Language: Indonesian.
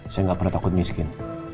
saya nggak pernah takut miskin